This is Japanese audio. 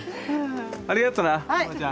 ありがとなおばちゃん。